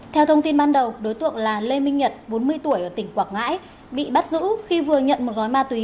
theo thông tin ban đầu đối tượng là lê minh nhật bốn mươi tuổi ở tỉnh quảng ngãi bị bắt giữ khi vừa nhận một gói ma túy